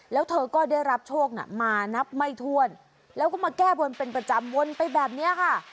แล้วเธอก็ได้รับโชคมานับไม่ถ้วนแล้วก็มาแก้บนเป็นประจำวนไปแบบนี้ค่ะ